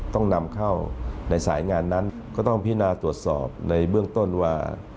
ต้องนำเข้าในสายงานนั้นก็ต้องพินาตรวจสอบในเบื้องต้นว่า